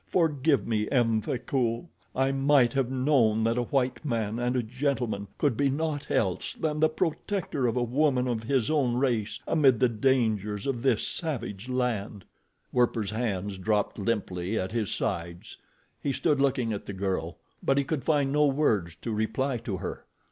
Forgive me, M. Frecoult. I might have known that a white man and a gentleman could be naught else than the protector of a woman of his own race amid the dangers of this savage land." Werper's hands dropped limply at his sides. He stood looking at the girl; but he could find no words to reply to her.